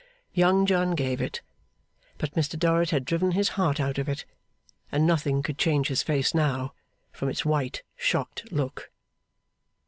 Young John gave it; but Mr Dorrit had driven his heart out of it, and nothing could change his face now, from its white, shocked look.